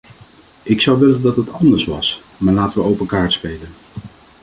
Ik zou willen dat het anders was, maar laten we open kaart spelen.